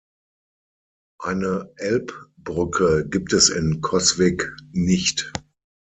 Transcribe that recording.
Eine Elbbrücke gibt es in Coswig nicht.